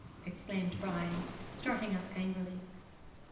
exclaimed Brian, starting up angrily.